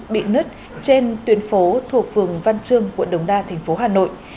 bị nứt trên tuyến phố thuộc phường văn trương quận đồng đa thành phố hà nội